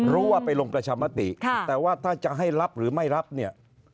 รู้ว่าไปลงประชามติแต่ว่าถ้าจะให้รับหรือไม่รับเนี่ย